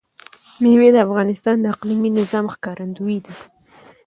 مېوې د افغانستان د اقلیمي نظام ښکارندوی ده.